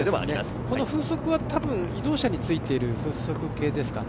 この風速は移動車に突いている風速計ですかね。